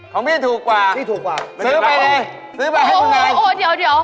ของพี่นี่ถูกกว่าซื้อไปเลยซื้อไปให้คุณนายโอ้โฮเดี๋ยว